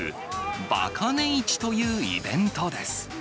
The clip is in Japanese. バカ値市というイベントです。